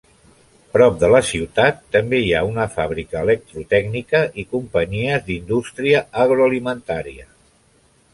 Prop de la ciutat també hi ha una fàbrica electrotècnica i companyies d'indústria agroalimentària.